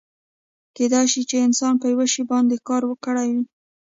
کیدای شي چې انسان په یو شي باندې کار کړی وي.